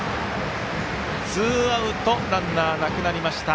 ツーアウトランナーなくなりました。